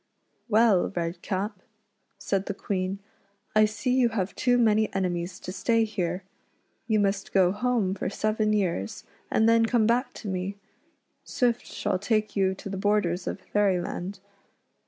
" Well, Redcap," said the Queen, " I see you have too many enemies to stay here. You must go home for seven years, and then come back to me. Swift shall take you to the borders of Fairyland.